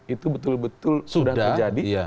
itu betul betul sudah terjadi